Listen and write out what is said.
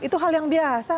itu hal yang biasa